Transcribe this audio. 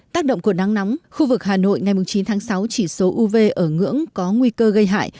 tác động của nắng nóng khu vực hà nội ngày chín tháng sáu chỉ số uv ở ngưỡng có nguy cơ gây hại